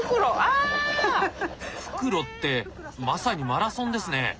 「復路」ってまさにマラソンですね。